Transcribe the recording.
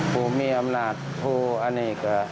พ่ะมีอำนาจพ่อไหนเนี่ยก็